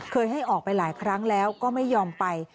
ให้ออกไปหลายครั้งแล้วก็ไม่ยอมไป